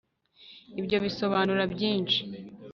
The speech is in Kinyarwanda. ibyo bisobanura byinshi